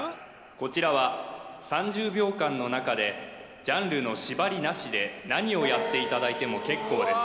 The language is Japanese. こちらは３０秒間の中でジャンルの縛りなしで何をやっていただいても結構です